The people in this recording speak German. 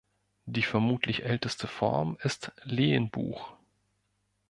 Die vermutlich älteste Form ist "Lehenbuch".